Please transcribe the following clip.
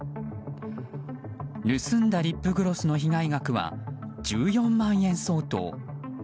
盗んだリップグロスの被害額は１４万円相当。